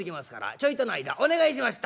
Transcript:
ちょいとの間お願いしました」。